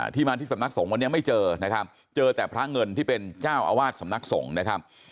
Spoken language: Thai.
ที่มาที่สำนักสงฆ์วันนี้ไม่เจอนะครับเจอแต่พระเงินที่เป็นเจ้าอาวาสสำนักสงฆ์นะครับ